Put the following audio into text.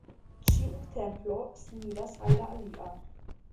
Ĉiu templo similas al la alia.